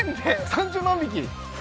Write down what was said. ３０万匹？